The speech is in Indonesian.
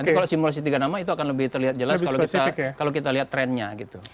tapi kalau simulasi tiga nama itu akan lebih terlihat jelas kalau kita lihat trennya gitu